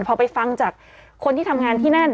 พอไปฟังจากคนที่ทำงานที่นั่น